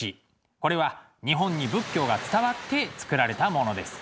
これは日本に仏教が伝わって作られたものです。